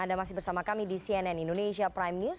anda masih bersama kami di cnn indonesia prime news